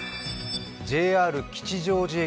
ＪＲ吉祥寺駅